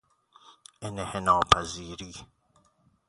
انحناپذیری